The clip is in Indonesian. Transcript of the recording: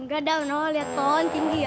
gak ada apa apa lihat pohon tinggi ya